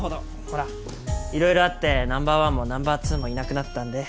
ほら色々あってナンバーワンもナンバーツーもいなくなったんで。